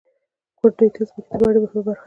• غونډۍ د ځمکې د بڼې مهمه برخه ده.